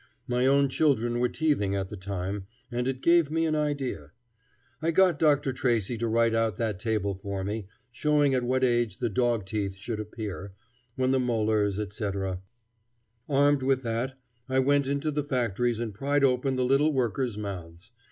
My own children were teething at the time, and it gave me an idea. I got Dr. Tracy to write out that table for me, showing at what age the dog teeth should appear, when the molars, etc. Armed with that I went into the factories and pried open the little workers' mouths.